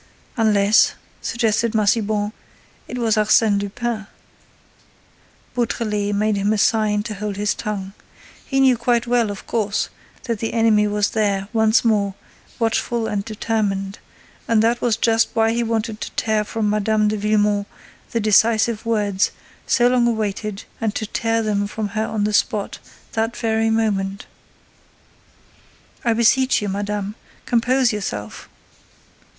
"Unless," suggested Massiban, "it was Arsène Lupin." Beautrelet made him a sign to hold his tongue. He knew quite well, of course, that the enemy was there, once more, watchful and determined; and that was just why he wanted to tear from Mme. de Villemon the decisive words, so long awaited, and to tear them from her on the spot, that very moment: "I beseech you, madame, compose yourself.